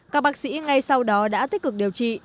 các bác sĩ ngay sau đó đã tích cực điều trị